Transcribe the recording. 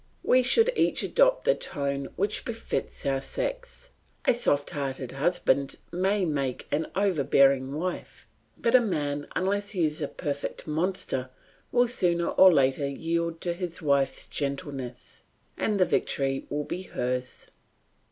We should each adopt the tone which befits our sex; a soft hearted husband may make an overbearing wife, but a man, unless he is a perfect monster, will sooner or later yield to his wife's gentleness, and the victory will be hers.